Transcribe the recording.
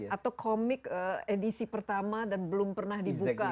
atau komik edisi pertama dan belum pernah dibuka